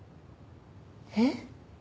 えっ？